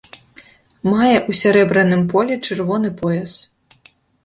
Мае ў сярэбраным полі чырвоны пояс.